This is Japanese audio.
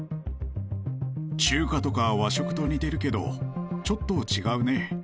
中華とか和食と似てるけどちょっと違うね。